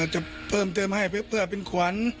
จะเพิ่มเติมให้เพื่อเป็นขวัญ